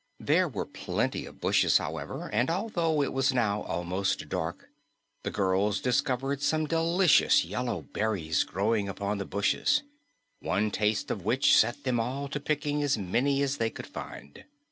There were plenty of bushes, however, and although it was now almost dark, the girls discovered some delicious yellow berries growing upon the bushes, one taste of which set them all to picking as many as they could find.